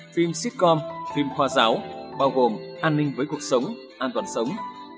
phim sitcom phim khoa giáo bao gồm an ninh với cuộc sống an toàn sống